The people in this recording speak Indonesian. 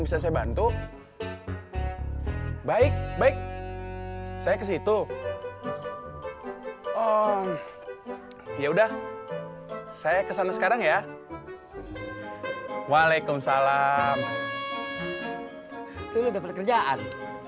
itu lo dapet kerjaan